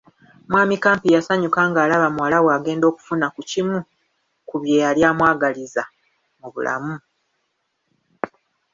Mwami Kampi yasanyuka ng’alaba muwala we agenda okufuna ku kimu ku bye yali amwagaliza mu bulamu.